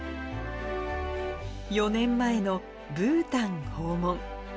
４年前のブータン訪問。